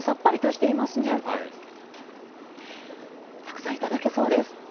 たくさん頂けそうです。